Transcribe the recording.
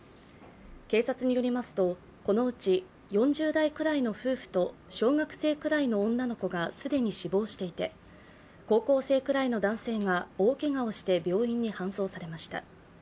警察によりますとこのうち４０代ぐらいの夫婦と小学生くらいの女の子が既に死亡していて、高校生くらいの男性が大けがをして病院に搬送されました。